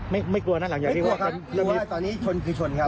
ไม่กลัวนั่นหรืออย่างนี้ว่าไม่กลัวครับคือว่าตอนนี้ชนคือชนครับ